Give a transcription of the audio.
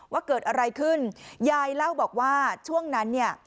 ว่าเกิดอะไรขึ้นยายเล่าบอกว่าช่วงนั้นเนี่ย